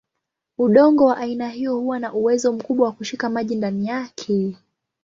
Udongo wa aina hiyo huwa na uwezo mkubwa wa kushika maji ndani yake.